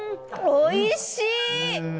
おいしい！